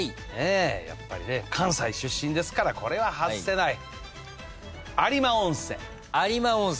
やっぱりね関西出身ですからこれは外せない。